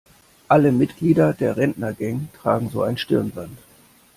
Alle Mitglieder der Rentnergang tragen so ein Stirnband.